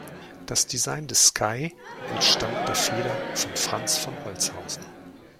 Das Design des Sky entstammt der Feder von Franz von Holzhausen.